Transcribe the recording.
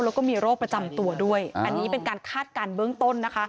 แล้วก็มีโรคประจำตัวด้วยอันนี้เป็นการคาดการณ์เบื้องต้นนะคะ